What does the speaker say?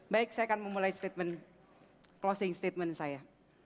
baik saya akan memulai closing statement saya